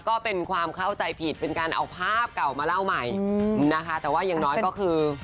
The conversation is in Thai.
ก็เป็นความเข้าใจผิดเป็นการเอาภาพเก่ามาเล่าใหม่นะคะแต่ว่าอย่างน้อยก็คือ